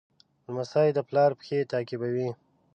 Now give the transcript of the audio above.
لمسی د پلار پېښې تعقیبوي.